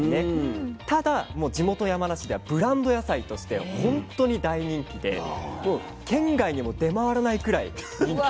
ただ地元山梨ではブランド野菜としてほんとに大人気でもう県外にも出回らないくらい人気なんですよ。